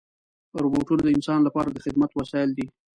روبوټونه د انسان لپاره د خدمت وسایل دي.